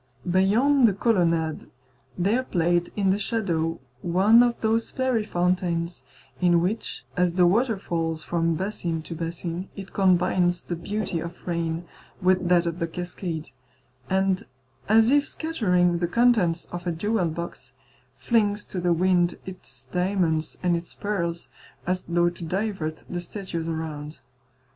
Beyond the colonnade there played in the shadow one of those fairy fountains in which, as the water falls from basin to basin, it combines the beauty of rain with that of the cascade, and as if scattering the contents of a jewel box, flings to the wind its diamonds and its pearls as though to divert the statues around.